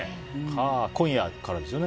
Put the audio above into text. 今夜からですよね。